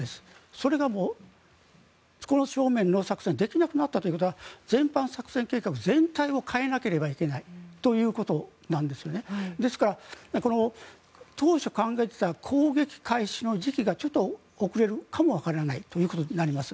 それがこの正面の作戦ができなくなったということは全般作戦、全体を変えなければいけないということなんです。ということで、当初考えていた攻撃開始の時期がちょっと遅れるかもわからないということになります。